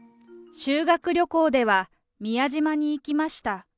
修学旅行では宮島に行きました。